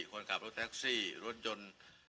คนขับรถแท็กซี่รถยนต์